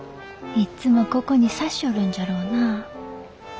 いっつもここにさしよるんじゃろうなあ。